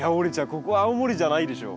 ここ青森じゃないでしょ。